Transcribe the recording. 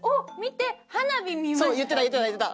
そう言ってた言ってた！